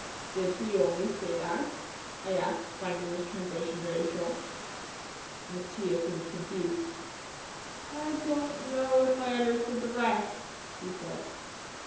"Did he only say that?" I asked, finding this translation very short. Mattia seemed confused. "I don't know if I understood the rest," he said.